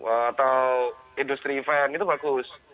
atau industri event itu bagus